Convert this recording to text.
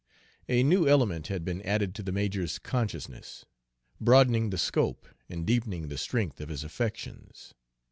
A new element had been added to the major's consciousness, broadening the scope and deepening the strength of his affections.